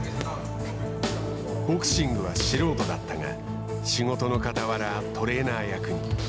ボクシングは素人だったが仕事の傍らトレーナー役に。